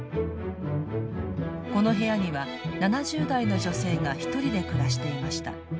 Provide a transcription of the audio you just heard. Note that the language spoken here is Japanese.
この部屋には７０代の女性がひとりで暮らしていました。